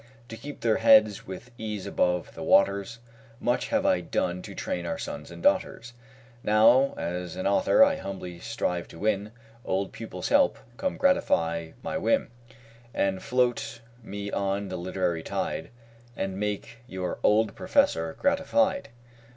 To keep their heads with ease above the waters, Much have I done to train our sons and daughters. Now, as an author, I humbly strive to win Old pupils' help. Come, gratify my whim, And float me on the literary tide And make your OLD PROFESSOR gratified.